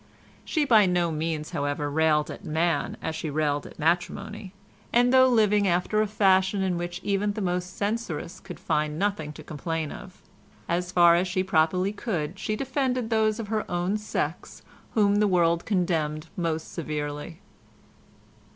She by no means, however, railed at man as she railed at matrimony, and though living after a fashion in which even the most censorious could find nothing to complain of, as far as she properly could she defended those of her own sex whom the world condemned most severely.